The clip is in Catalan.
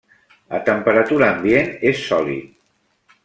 A temperatura ambient és sòlid.